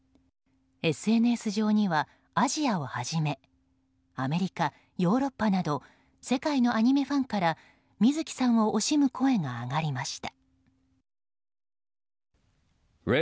ＳＮＳ上にはアジアをはじめアメリカ、ヨーロッパなど世界のアニメファンから水木さんを惜しむ声が上がりました。